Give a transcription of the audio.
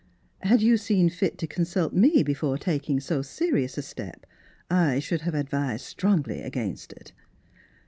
Had 3'ou seen fit to consult me before tak ing so serious a step I should have advised strongly against it.